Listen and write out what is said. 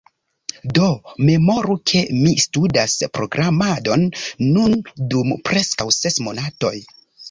Do memoru, ke mi studas programadon nun dum preskaŭ ses monatoj.